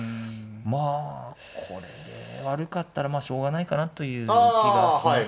まあこれで悪かったらまあしょうがないかなという気がしました。